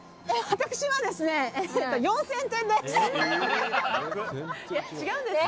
私は４０００点です。